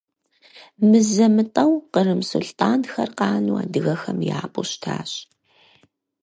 Мызэ-мытӀэу кърым сулътӀанхэр къану адыгэхэм япӀу щытащ.